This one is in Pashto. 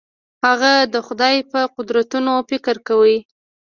هغه د خدای په قدرتونو فکر کاوه.